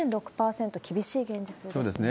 厳しい現実そうですね。